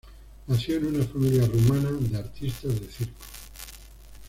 Nació en una familia rumana de artistas de circo.